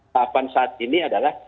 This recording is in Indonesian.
tahapan saat ini adalah